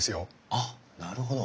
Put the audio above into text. あっなるほど。